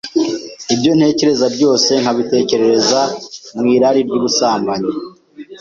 ibyo ntekereza byose nkabitekerereza mu irari ry’ubusambanyi.